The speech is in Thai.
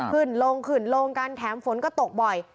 ขึ้นลงขึ้นลงกันแถมฝนก็ตกบ่อย